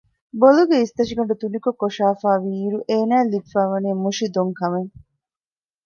ބޮލުގެ އިސްތަށިގަނޑު ތުނިކޮށް ކޮށާފައިވީއިރު އޭނާއަށް ލިބިފައިވަނީ މުށި ދޮންކަމެއް